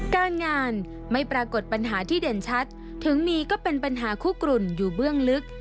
การงานไม่ปรากฏปัญหาที่เด่นชัดถึงมีก็เป็นปัญหาคู่กรุ่นอยู่เบื้องลึก